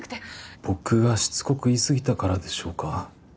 僕がしつこく言いすぎたからでしょうか。